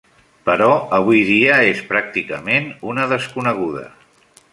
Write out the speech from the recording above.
Però avui dia és pràcticament una desconeguda.